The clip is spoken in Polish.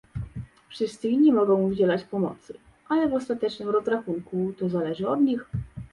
Wszyscy inni mogą udzielać pomocy, ale w ostatecznym rozrachunku to zależy od nich